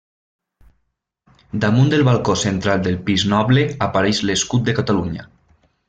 Damunt del balcó central del pis noble apareix l'escut de Catalunya.